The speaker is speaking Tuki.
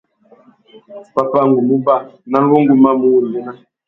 Pápá, ngu mú uba ; nán wu ngu mà mù wundzéna.